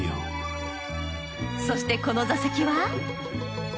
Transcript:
そしてこの座席は。